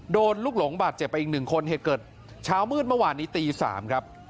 ลูกหลงบาดเจ็บไปอีกหนึ่งคนเหตุเกิดเช้ามืดเมื่อวานนี้ตี๓ครับ